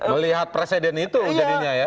melihat presiden itu jadinya ya